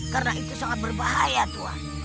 karena itu sangat berbahaya tuhan